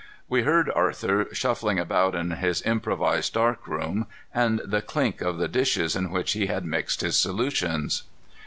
We heard Arthur shuffling about in his improvised dark room, and the clink of the dishes in which he had mixed his solutions.